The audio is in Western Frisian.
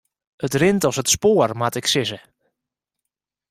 It rint as it spoar moat ik sizze.